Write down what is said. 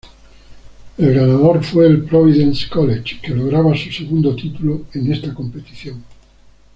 El ganador fue el Providence College, que lograba su segundo título en esta competición.